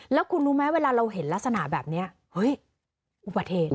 แล้วคุณรู้ไหมเวลาเราเห็นลักษณะแบบนี้เฮ้ยอุบัติเหตุ